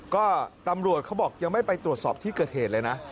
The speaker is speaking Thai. ก็ตำรวจเขาบอกยังไม่ไปตรวจสอบที่เกิดเหตุเลยนะ